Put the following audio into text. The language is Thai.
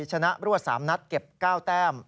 ชนะรวด๓นัดเก็บ๙แต้ม